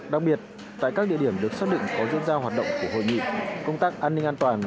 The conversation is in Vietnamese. đặc biệt tại các địa điểm được xác định có diễn ra hoạt động của hội nghị công tác an ninh an toàn